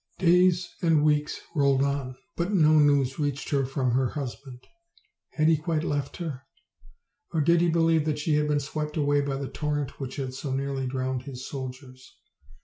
Days and weeks rolled on, but no news reached her from her husband. Had he quite left her? or did he be lieve that she had been swept away by the torrent which had so nearly drowned his soldiers?